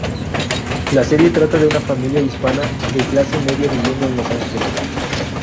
La serie trata de una familia hispana de clase media viviendo en Los Ángeles.